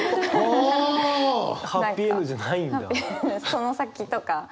その先とか。